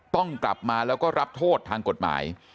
ต้องกลับมาแล้วก็รับโทษทางกฎหมาย